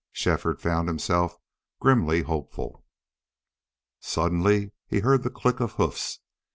Shefford found himself grimly hopeful. Suddenly he heard the click of hoofs.